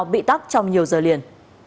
bị tắt trong nhiều giờ liền